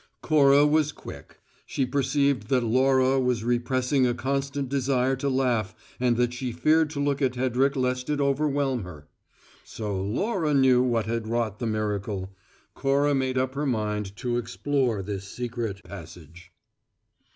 Cora was quick: she perceived that Laura was repressing a constant desire to laugh and that she feared to look at Hedrick lest it overwhelm her. So Laura knew what had wrought the miracle. Cora made up her mind to explore this secret passage.